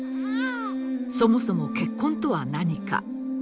そもそも結婚とは何か？